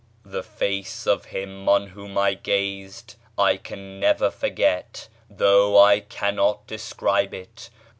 The face of him on whom I gazed I can never forget, though I cannot describe it.